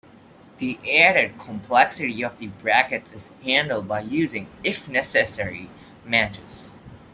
The added complexity of the brackets is handled by using "if necessary" matches.